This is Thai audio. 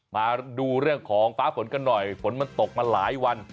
มาดูเรื่องของฟ้าฝนกันหน่อยฝนมันตกมาหลายวัน